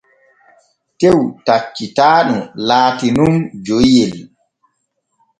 Tew taccitaanu laati nun joyiyel.